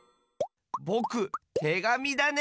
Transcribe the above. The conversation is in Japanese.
ぼくてがみだね！